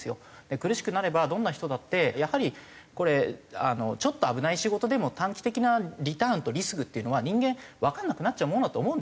苦しくなればどんな人だってやはりちょっと危ない仕事でも短期的なリターンとリスクっていうのは人間わかんなくなっちゃうものだと思うんですよ。